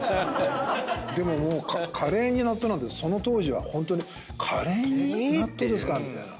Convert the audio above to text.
でもカレーに納豆なんてその当時はホントに「カレーに納豆ですか⁉」みたいな。